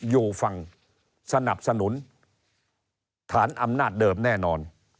อยู่ฝั่งสนับสนุนฐานอำนาจเดิมแน่นอน